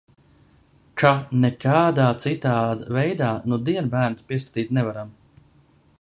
Ka "nekādā citā veidā nudien bērnus pieskatīt nevaram".